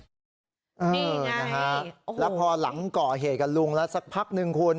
นี่ไงโอ้โหแล้วพอหลังก่อเหตุกับลุงแล้วสักพักนึงคุณ